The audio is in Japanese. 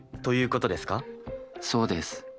そうです。